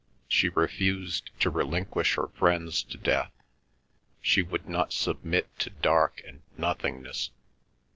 She refused to relinquish her friends to death. She would not submit to dark and nothingness.